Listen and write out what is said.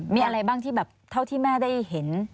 มีอะไรบ้างที่แบบเท่าที่แม่ได้เห็น